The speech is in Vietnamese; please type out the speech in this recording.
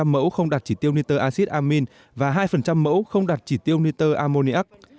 hai mươi mẫu không đạt chỉ tiêu nitro acid amine và hai mẫu không đạt chỉ tiêu nitro ammonia